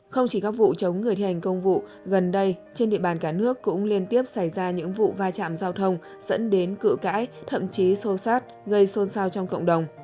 không chỉ các vụ chống người thi hành công vụ gần đây trên địa bàn cả nước cũng liên tiếp xảy ra những vụ va chạm giao thông dẫn đến cự cãi thậm chí xô xát gây xôn xao trong cộng đồng